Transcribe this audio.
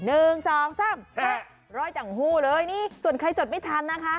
๑๒๓แพะร้อยจังหู้เลยนี่ส่วนใครจดไม่ทันนะคะ